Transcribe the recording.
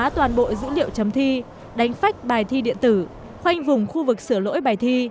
toàn bộ dữ liệu chấm thi đánh phách bài thi điện tử khoanh vùng khu vực sửa lỗi bài thi